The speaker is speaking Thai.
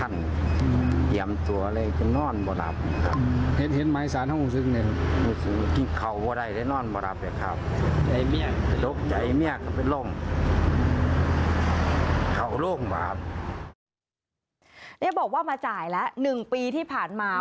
บอกว่ามาจ่ายแล้ว๑ปีที่ผ่านมา